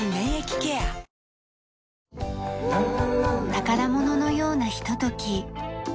宝物のようなひととき。